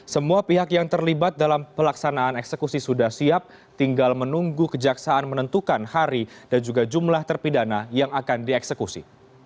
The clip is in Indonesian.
semua pihak yang terlibat dalam pelaksanaan eksekusi sudah siap tinggal menunggu kejaksaan menentukan hari dan juga jumlah terpidana yang akan dieksekusi